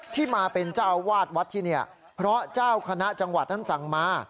ที่มาเป็นเจ้าอาวาสวัดที่นี่เพราะเจ้าคณะจังหวัดท่านสั่งมา